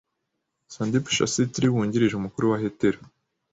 Sandeep Shahstri wungirije umukuru wa Hetero